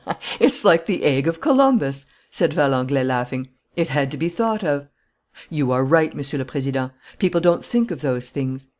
"It's like the egg of Columbus," said Valenglay, laughing. "It had to be thought of." "You are right, Monsieur le Président. People don't think of those things.